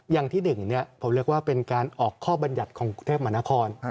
อย่างที่หนึ่งเนี่ยผมเรียกว่าเป็นการออกข้อบรรยัติของกรุงเทพมนาคอล